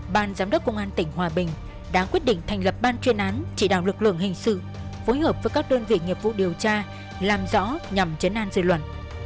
ban giám đốc công an tỉnh hòa bình đã quyết định thành lập ban chuyên án chỉ đạo lực lượng hình sự phối hợp với các đơn vị nghiệp vụ điều tra làm rõ nhằm chấn an dự luận